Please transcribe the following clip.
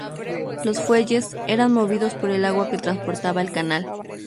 Los fuelles eran movidos por el agua que transportaba el canal.